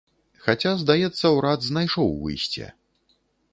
Хаця, здаецца, урад знайшоў выйсце.